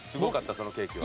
そのケーキは。